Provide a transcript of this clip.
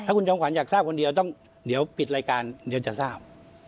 คุณจอมขวัญอยากทราบคนเดียวต้องเดี๋ยวปิดรายการเดี๋ยวจะทราบ